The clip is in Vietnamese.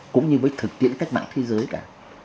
cũng như với thực tiễn cách mạng thế giới cả